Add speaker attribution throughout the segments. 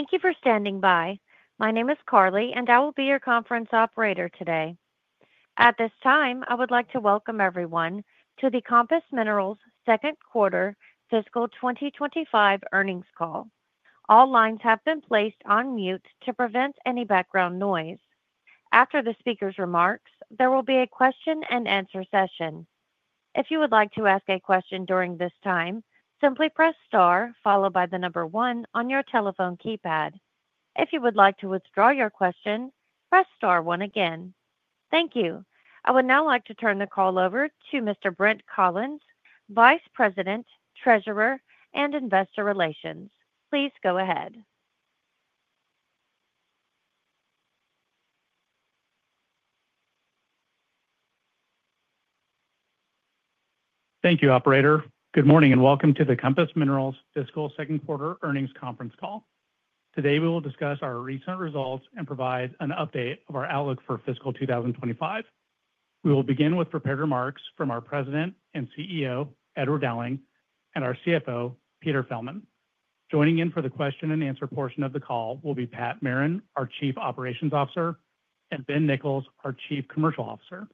Speaker 1: Thank you for standing by. My name is Carly, and I will be your conference operator today. At this time, I would like to welcome everyone to the Compass Minerals Second Quarter Fiscal 2025 earnings call. All lines have been placed on mute to prevent any background noise. After the speaker's remarks, there will be a question-and-answer session. If you would like to ask a question during this time, simply press star followed by the number one on your telephone keypad. If you would like to withdraw your question, press star one again. Thank you. I would now like to turn the call over to Mr. Brent Collins, Vice President, Treasurer, and Investor Relations. Please go ahead.
Speaker 2: Thank you, Operator. Good morning and welcome to the Compass Minerals Fiscal Second Quarter earnings conference call. Today, we will discuss our recent results and provide an update of our outlook for Fiscal 2025. We will begin with prepared remarks from our President and CEO, Edward Dowling, and our CFO, Peter Fjellman. Joining in for the question-and-answer portion of the call will be Pat Merrin, our Chief Operations Officer, and Ben Nichols, our Chief Commercial Officer.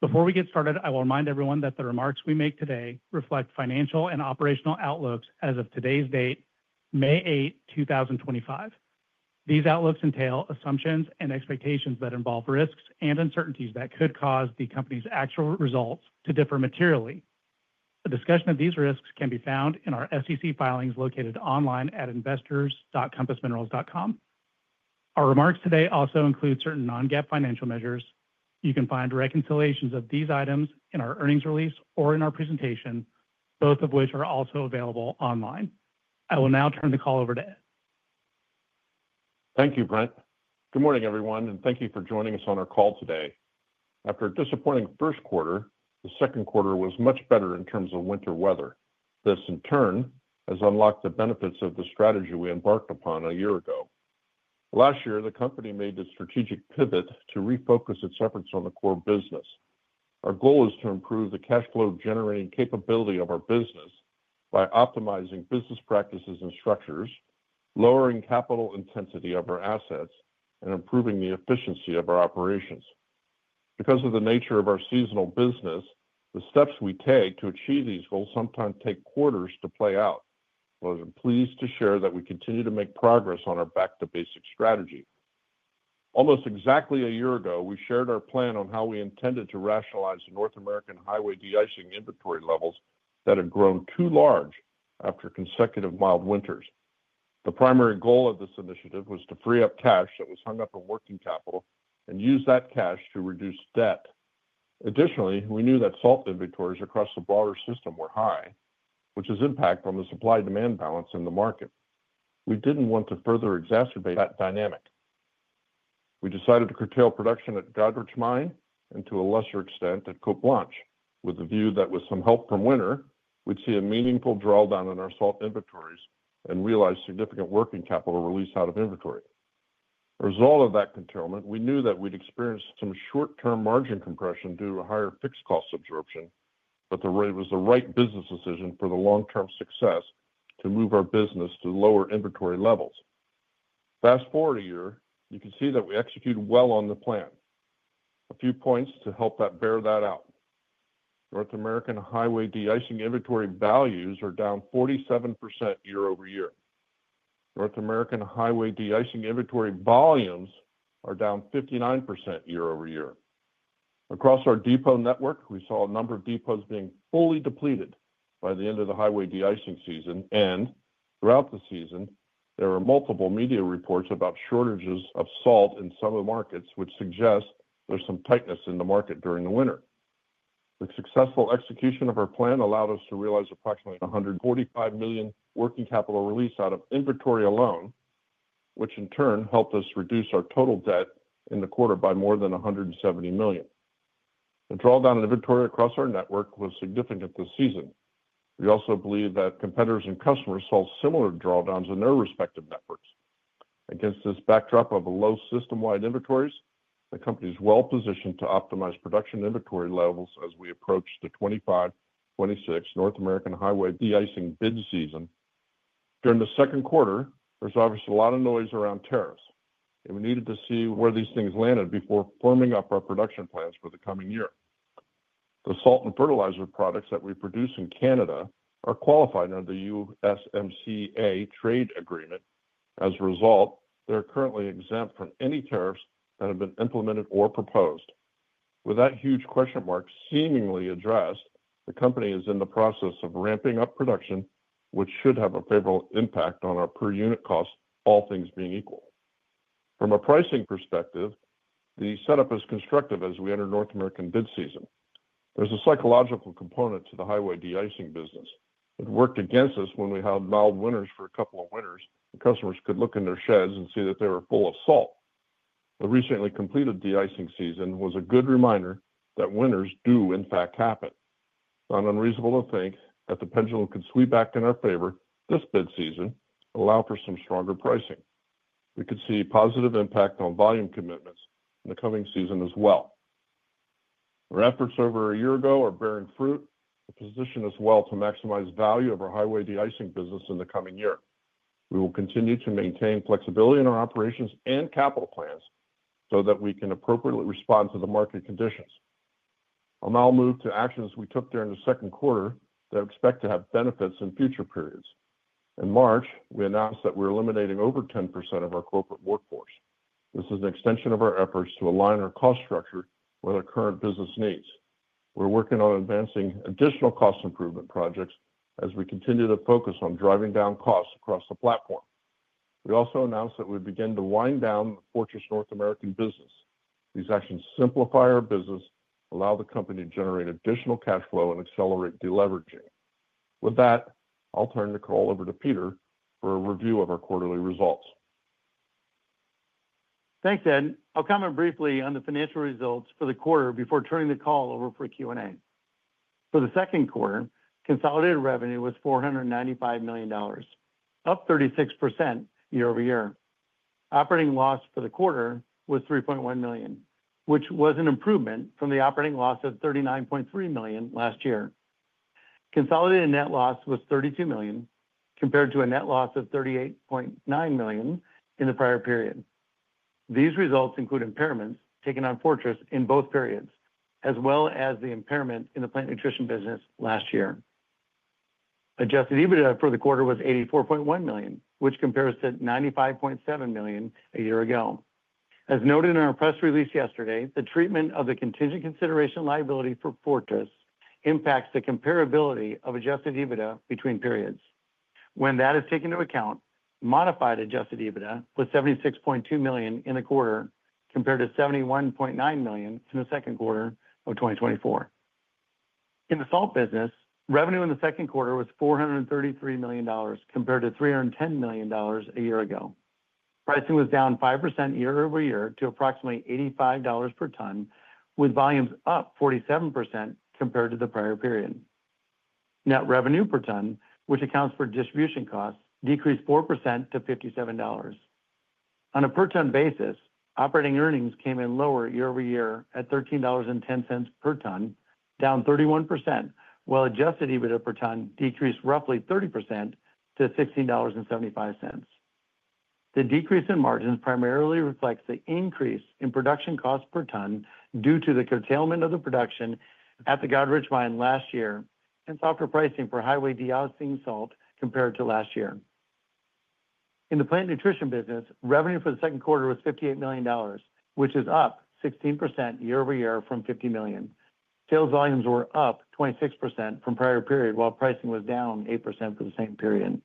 Speaker 2: Before we get started, I will remind everyone that the remarks we make today reflect financial and operational outlooks as of today's date, May 8, 2025. These outlooks entail assumptions and expectations that involve risks and uncertainties that could cause the company's actual results to differ materially. A discussion of these risks can be found in our SEC filings located online at investors.compassminerals.com. Our remarks today also include certain non-GAAP financial measures. You can find reconciliations of these items in our earnings release or in our presentation, both of which are also available online. I will now turn the call over to Ed.
Speaker 3: Thank you, Brent. Good morning, everyone, and thank you for joining us on our call today. After a disappointing first Quarter, the Second Quarter was much better in terms of winter weather. This, in turn, has unlocked the benefits of the strategy we embarked upon a year ago. Last year, the company made the strategic pivot to refocus its efforts on the core business. Our goal is to improve the cash flow-generating capability of our business by optimizing business practices and structures, lowering capital intensity of our assets, and improving the efficiency of our operations. Because of the nature of our seasonal business, the steps we take to achieve these goals sometimes take Quarters to play out. I'm pleased to share that we continue to make progress on our back-to-basic strategy. Almost exactly a year ago, we shared our plan on how we intended to rationalize the North American highway de-icing inventory levels that had grown too large after consecutive mild winters. The primary goal of this initiative was to free up cash that was hung up on working capital and use that cash to reduce debt. Additionally, we knew that salt inventories across the broader system were high, which is impact from the supply-demand balance in the market. We did not want to further exacerbate that dynamic. We decided to curtail production at Goderich Mine and, to a lesser extent, at Cote Blanche, with the view that with some help from winter, we would see a meaningful drawdown in our salt inventories and realize significant working capital release out of inventory. As a result of that curtailment, we knew that we'd experience some short-term margin compression due to a higher fixed cost absorption, but the rate was the right business decision for the long-term success to move our business to lower inventory levels. Fast forward a year, you can see that we executed well on the plan. A few points to help that bear that out: North American highway de-icing inventory values are down 47% year over year. North American highway de-icing inventory volumes are down 59% year over year. Across our depot network, we saw a number of depots being fully depleted by the end of the highway de-icing season, and throughout the season, there were multiple media reports about shortages of salt in some of the markets, which suggests there's some tightness in the market during the winter. The successful execution of our plan allowed us to realize approximately $145 million working capital release out of inventory alone, which in turn helped us reduce our total debt in the Quarter by more than $170 million. The drawdown in inventory across our network was significant this season. We also believe that competitors and customers saw similar drawdowns in their respective networks. Against this backdrop of low system-wide inventories, the company is well positioned to optimize production inventory levels as we approach the 2025-2026 North American highway de-icing bid season. During the Second Quarter, there is obviously a lot of noise around tariffs, and we needed to see where these things landed before firming up our production plans for the coming year. The salt and fertilizer products that we produce in Canada are qualified under the USMCA trade agreement. As a result, they're currently exempt from any tariffs that have been implemented or proposed. With that huge question mark seemingly addressed, the company is in the process of ramping up production, which should have a favorable impact on our per-unit cost, all things being equal. From a pricing perspective, the setup is constructive as we enter North American bid season. There's a psychological component to the highway de-icing business. It worked against us when we had mild winters for a couple of winters, and customers could look in their sheds and see that they were full of salt. The recently completed de-icing season was a good reminder that winters do, in fact, happen. It's not unreasonable to think that the pendulum could sweep back in our favor this bid season and allow for some stronger pricing. We could see positive impact on volume commitments in the coming season as well. Our efforts over a year ago are bearing fruit. The position is well to maximize value of our highway de-icing business in the coming year. We will continue to maintain flexibility in our operations and capital plans so that we can appropriately respond to the market conditions. I'll now move to actions we took during the Second Quarter that I expect to have benefits in future periods. In March, we announced that we're eliminating over 10% of our corporate workforce. This is an extension of our efforts to align our cost structure with our current business needs. We're working on advancing additional cost improvement projects as we continue to focus on driving down costs across the platform. We also announced that we would begin to wind down the Fortress North America business. These actions simplify our business, allow the company to generate additional cash flow, and accelerate deleveraging. With that, I'll turn the call over to Peter for a review of our Quarterly results.
Speaker 4: Thanks, Ed. I'll comment briefly on the financial results for the Quarter before turning the call over for Q&A. For the Second Quarter, consolidated revenue was $495 million, up 36% year over year. Operating loss for the Quarter was $3.1 million, which was an improvement from the operating loss of $39.3 million last year. Consolidated net loss was $32 million compared to a net loss of $38.9 million in the prior period. These results include impairments taken on Fortress North America in both periods, as well as the impairment in the plant nutrition business last year. Adjusted EBITDA for the Quarter was $84.1 million, which compares to $95.7 million a year ago. As noted in our press release yesterday, the treatment of the contingent consideration liability for Fortress North America impacts the comparability of adjusted EBITDA between periods. When that is taken into account, modified adjusted EBITDA was $76.2 million in the Quarter compared to $71.9 million in the Second Quarter of 2024. In the Salt business, revenue in the Second Quarter was $433 million compared to $310 million a year ago. Pricing was down 5% year over year to approximately $85 per ton, with volumes up 47% compared to the prior period. Net revenue per ton, which accounts for distribution costs, decreased 4% to $57. On a per-ton basis, operating earnings came in lower year over year at $13.10 per ton, down 31%, while adjusted EBITDA per ton decreased roughly 30% to $16.75. The decrease in margins primarily reflects the increase in production costs per ton due to the curtailment of the production at the Goderich Mine last year and softer pricing for highway de-icing salt compared to last year. In the plant nutrition business, revenue for the Second Quarter was $58 million, which is up 16% year over year from $50 million. Sales volumes were up 26% from prior period, while pricing was down 8% for the same period.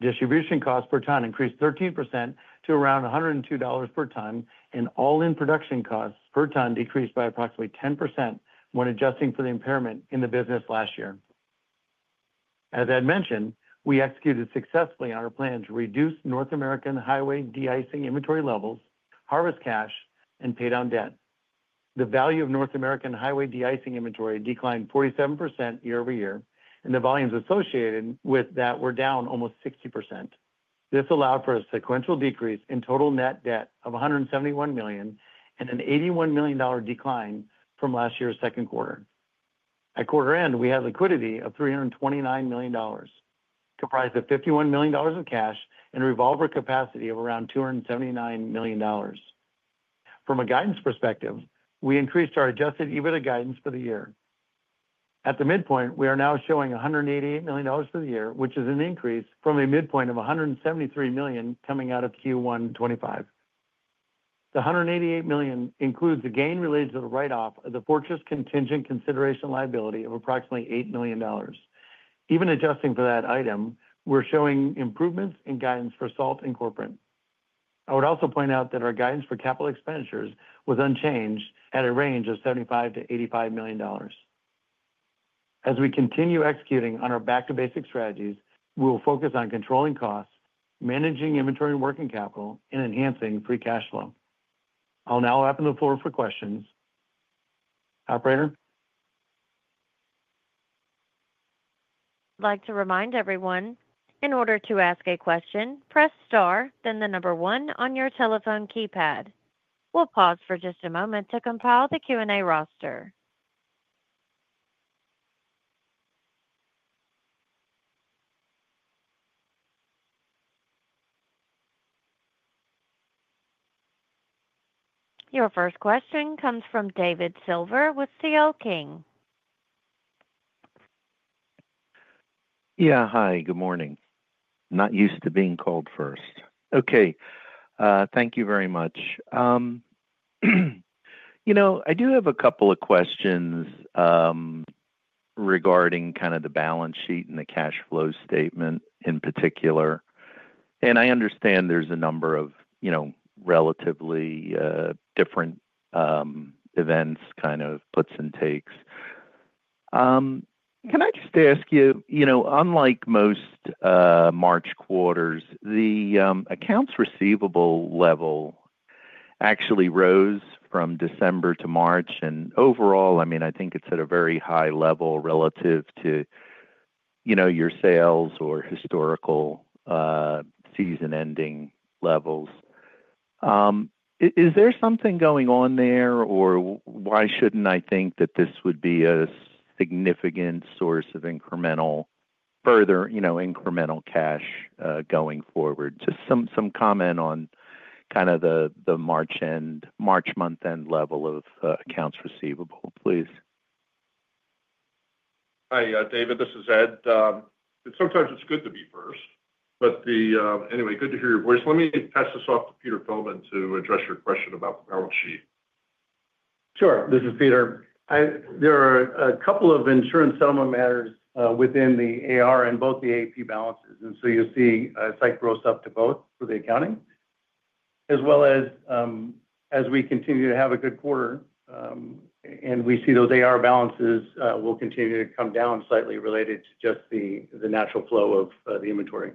Speaker 4: Distribution costs per ton increased 13% to around $102 per ton, and all-in production costs per ton decreased by approximately 10% when adjusting for the impairment in the business last year. As Ed mentioned, we executed successfully on our plan to reduce North American highway de-icing inventory levels, harvest cash, and pay down debt. The value of North American highway de-icing inventory declined 47% year over year, and the volumes associated with that were down almost 60%. This allowed for a sequential decrease in total net debt of $171 million and an $81 million decline from last year's Second Quarter. At Quarter end, we had liquidity of $329 million, comprised of $51 million of cash and a revolver capacity of around $279 million. From a guidance perspective, we increased our adjusted EBITDA guidance for the year. At the midpoint, we are now showing $188 million for the year, which is an increase from a midpoint of $173 million coming out of Q1 2025. The $188 million includes a gain related to the write-off of the Fortress contingent consideration liability of approximately $8 million. Even adjusting for that item, we're showing improvements in guidance for Salt and corporate. I would also point out that our guidance for capital expenditures was unchanged at a range of $75-$85 million. As we continue executing on our back-to-basic strategies, we will focus on controlling costs, managing inventory and working capital, and enhancing free cash flow. I'll now open the floor for questions. Operator.
Speaker 1: I'd like to remind everyone, in order to ask a question, press star, then the number one on your telephone keypad. We'll pause for just a moment to compile the Q&A roster. Your first question comes from David Silver with CL King & Associates.
Speaker 5: Yeah, hi, good morning. Not used to being called first. Okay, thank you very much. You know, I do have a couple of questions regarding kind of the balance sheet and the cash flow statement in particular. I understand there's a number of, you know, relatively different events, kind of puts and takes. Can I just ask you, you know, unlike most March Quarters, the accounts receivable level actually rose from December to March. Overall, I mean, I think it's at a very high level relative to, you know, your sales or historical season-ending levels. Is there something going on there, or why shouldn't I think that this would be a significant source of incremental, further, you know, incremental cash going forward? Just some comment on kind of the March end, March month-end level of accounts receivable, please.
Speaker 3: Hi, David, this is Ed. Sometimes it's good to be first, but anyway, good to hear your voice. Let me pass this off to Peter Fjellman to address your question about the balance sheet.
Speaker 4: Sure, this is Peter. There are a couple of insurance settlement matters within the AR and both the AP balances. You will see a slight gross up to both for the accounting, as well as as we continue to have a good Quarter, and we see those AR balances will continue to come down slightly related to just the natural flow of the inventory.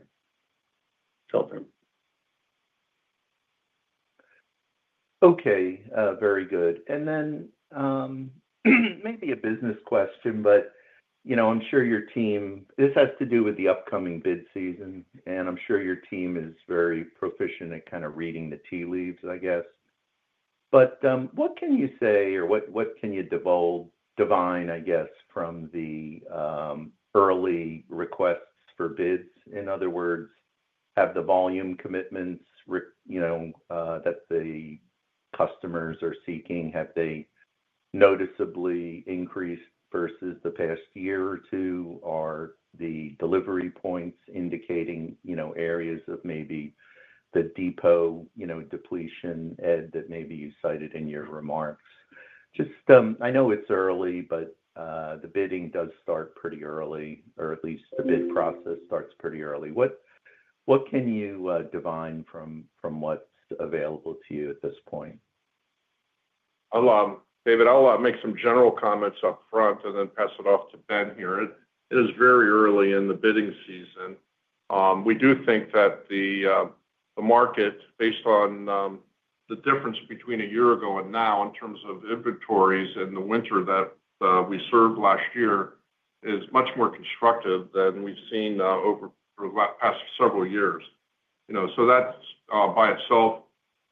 Speaker 5: Okay, very good. Maybe a business question, but, you know, I'm sure your team, this has to do with the upcoming bid season, and I'm sure your team is very proficient at kind of reading the tea leaves, I guess. What can you say, or what can you divine, I guess, from the early requests for bids? In other words, have the volume commitments, you know, that the customers are seeking, have they noticeably increased versus the past year or two? Are the delivery points indicating, you know, areas of maybe the depot, you know, depletion, Ed, that maybe you cited in your remarks? Just I know it's early, but the bidding does start pretty early, or at least the bid process starts pretty early. What can you divine from what's available to you at this point?
Speaker 3: David, I'll make some general comments up front and then pass it off to Ben here. It is very early in the bidding season. We do think that the market, based on the difference between a year ago and now in terms of inventories in the winter that we served last year, is much more constructive than we've seen over the past several years. You know, so that by itself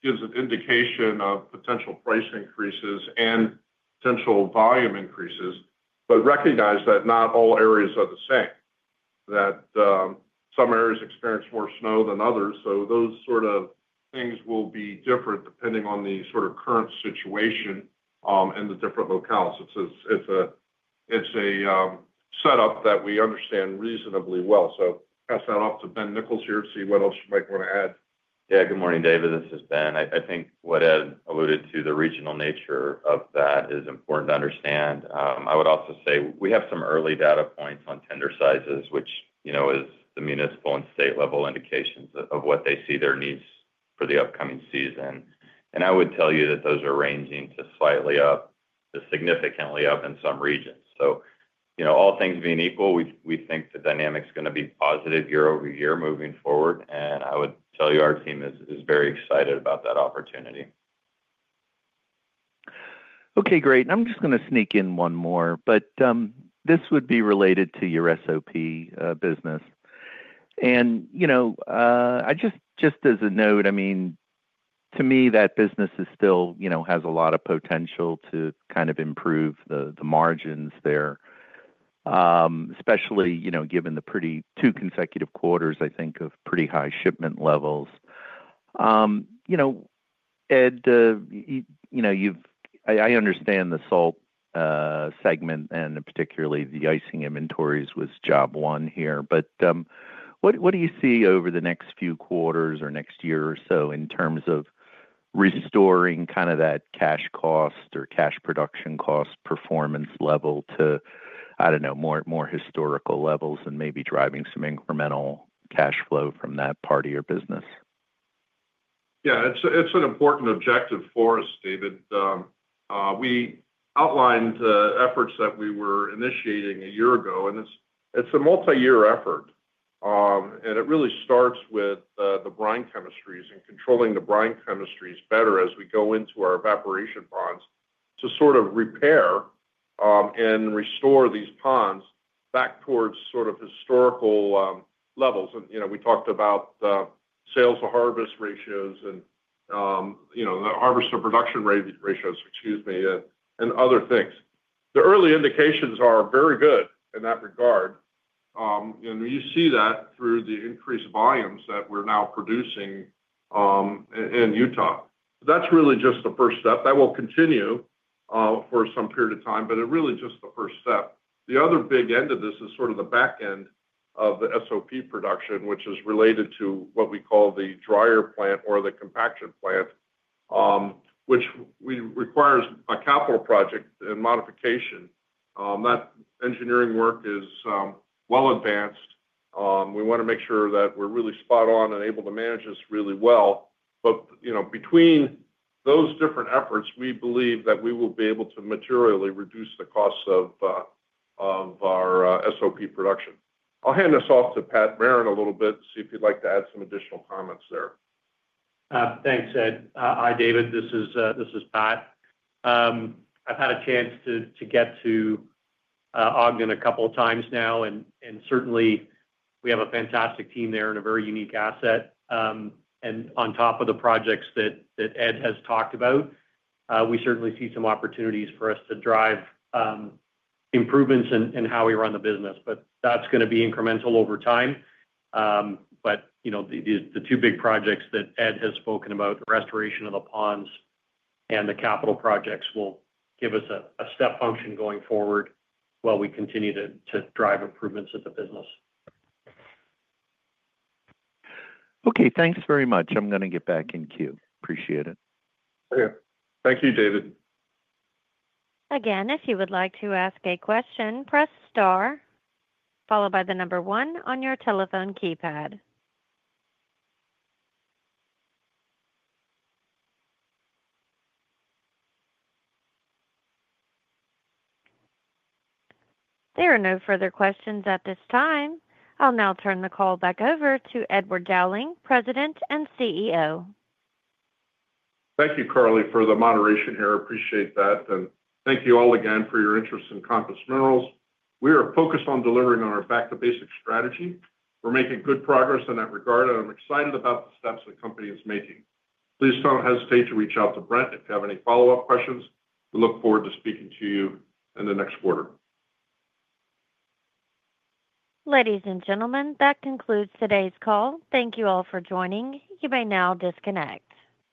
Speaker 3: gives an indication of potential price increases and potential volume increases, but recognize that not all areas are the same, that some areas experience more snow than others. Those sort of things will be different depending on the sort of current situation and the different locales. It's a setup that we understand reasonably well. Pass that off to Ben Nichols here to see what else you might want to add.
Speaker 6: Yeah, good morning, David. This is Ben. I think what Ed alluded to, the regional nature of that, is important to understand. I would also say we have some early data points on tender sizes, which, you know, is the municipal and state level indications of what they see their needs for the upcoming season. I would tell you that those are ranging to slightly up to significantly up in some regions. You know, all things being equal, we think the dynamic's going to be positive year over year moving forward. I would tell you our team is very excited about that opportunity.
Speaker 5: Okay, great. I'm just going to sneak in one more, but this would be related to your SOP business. And, you know, I just, just as a note, I mean, to me, that business is still, you know, has a lot of potential to kind of improve the margins there, especially, you know, given the pretty two consecutive Quarters, I think, of pretty high shipment levels. You know, Ed, you know, I understand the salt segment and particularly the icing inventories was job one here. What do you see over the next few Quarters or next year or so in terms of restoring kind of that cash cost or cash production cost performance level to, I don't know, more historical levels and maybe driving some incremental cash flow from that part of your business?
Speaker 3: Yeah, it's an important objective for us, David. We outlined efforts that we were initiating a year ago, and it's a multi-year effort. It really starts with the brine chemistries and controlling the brine chemistries better as we go into our evaporation ponds to sort of repair and restore these ponds back towards sort of historical levels. You know, we talked about sales to harvest ratios and, you know, the harvest to production ratios, excuse me, and other things. The early indications are very good in that regard. You see that through the increased volumes that we're now producing in Utah. That's really just the first step. That will continue for some period of time, but it really is just the first step. The other big end of this is sort of the back end of the SOP production, which is related to what we call the dryer plant or the compaction plant, which requires a capital project and modification. That engineering work is well advanced. We want to make sure that we're really spot on and able to manage this really well. You know, between those different efforts, we believe that we will be able to materially reduce the costs of our SOP production. I'll hand this off to Pat Merrin a little bit, see if he'd like to add some additional comments there.
Speaker 7: Thanks, Ed. Hi, David. This is Pat. I've had a chance to get to Ogden a couple of times now, and certainly we have a fantastic team there and a very unique asset. You know, on top of the projects that Ed has talked about, we certainly see some opportunities for us to drive improvements in how we run the business. That is going to be incremental over time. You know, the two big projects that Ed has spoken about, the restoration of the ponds and the capital projects, will give us a step function going forward while we continue to drive improvements at the business.
Speaker 5: Okay. Thanks very much. I'm going to get back to you. Appreciate it.
Speaker 3: Thank you, David.
Speaker 1: Again, if you would like to ask a question, press star, followed by the number one on your telephone keypad. There are no further questions at this time. I'll now turn the call back over to Edward Dowling, President and CEO.
Speaker 3: Thank you, Carly, for the moderation here. Appreciate that. Thank you all again for your interest in Compass Minerals. We are focused on delivering on our back-to-basic strategy. We're making good progress in that regard. I'm excited about the steps the company is making. Please do not hesitate to reach out to Brent if you have any follow-up questions. We look forward to speaking to you in the next Quarter.
Speaker 1: Ladies and gentlemen, that concludes today's call. Thank you all for joining. You may now disconnect.